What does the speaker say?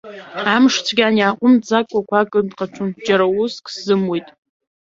Амш цәгьан, иааҟәымҵӡакәа ақәа кыдхаҽон, џьара уск сзымуит.